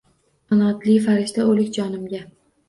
Qanotli farishta o’lik jonimga.